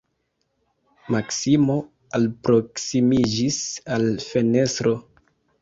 Maksimo alproksimiĝis al fenestro.